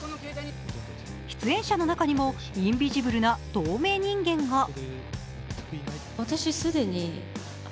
出演者の中にもインビジブルな透明人間が。